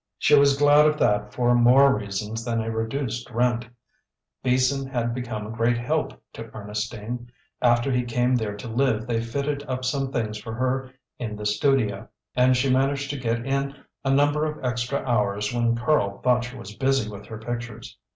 She was glad of that for more reasons than a reduced rent; Beason had become a great help to Ernestine. After he came there to live they fitted up some things for her in her studio, and she managed to get in a number of extra hours when Karl thought she was busy with her pictures.